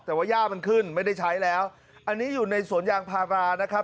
แต่ว่าย่ามันขึ้นไม่ได้ใช้แล้วอันนี้อยู่ในสวนยางพารานะครับ